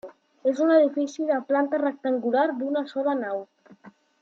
És un edifici de planta rectangular, d'una sola nau.